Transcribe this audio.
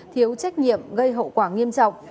thiếu trách nhiệm gây hậu quả nghiêm trọng